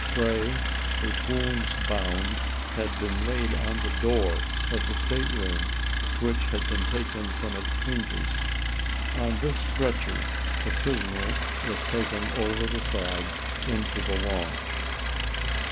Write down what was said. Gray, his wounds bound, had been laid on the door of the stateroom, which had been taken from its hinges. On this stretcher, the prisoner was taken over the side into the launch.